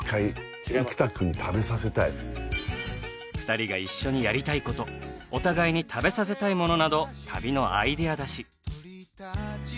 ２人が一緒にやりたい事お互いに食べさせたいものなど旅のアイデア出し。